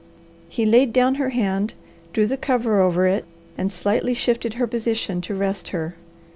He laid down her hand, drew the cover over it, and slightly shifted her position to rest her.